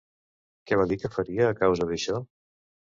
Què va dir que faria a causa d'això?